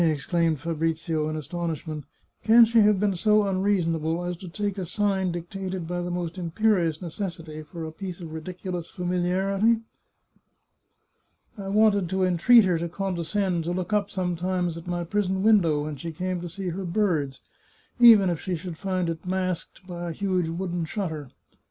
" exclaimed Fabrizio in astonishment. " Can she have been so unreasonable as to take a sig^ dic tated by the most imperious necessity for a piece of ridicu lous familiarity? I wanted to entreat her to condescend to look up sometimes at my prison window when she came to see her birds, even if she should find it masked by a huge wooden shutter!